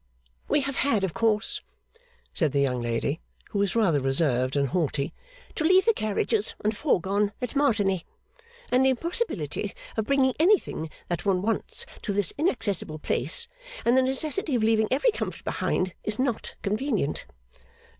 'We have had, of course,' said the young lady, who was rather reserved and haughty, 'to leave the carriages and fourgon at Martigny. And the impossibility of bringing anything that one wants to this inaccessible place, and the necessity of leaving every comfort behind, is not convenient.